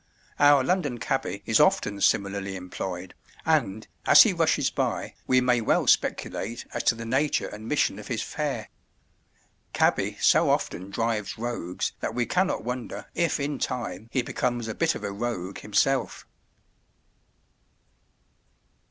Our London cabby is often similarly employed, and, as he rushes by, we may well speculate as to the nature and mission of his fare. Cabby so often drives rogues that we cannot wonder if in time he becomes a bit of a rogue himself.